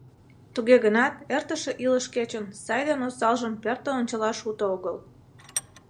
Туге гынат эртыше илыш кечын сай ден осалжым пӧртыл ончалаш уто огыл.